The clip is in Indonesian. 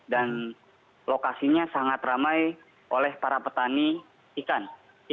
dan lokasinya sangat ramai oleh para petani ikan